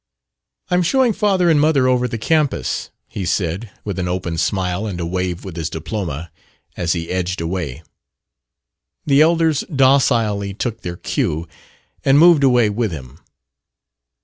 "I'm showing father and mother over the campus," he said, with an open smile and a wave with his diploma, as he edged away. The elders docilely took their cue, and moved away with him.